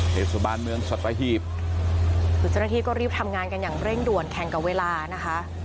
เทศบาลเมืองสัตหีบคือเจ้าหน้าที่ก็รีบทำงานกันอย่างเร่งด่วนแข่งกับเวลานะคะ